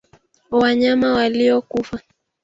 Wanyama waliokufa